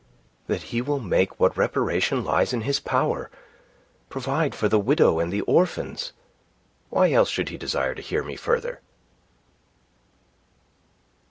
"That he will make what reparation lies in his power. Provide for the widow and the orphans. Why else should he desire to hear me further?"